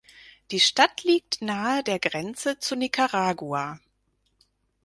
Die Stadt liegt nahe der Grenze zu Nicaragua.